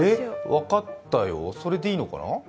分かったよ、それでいいのかな。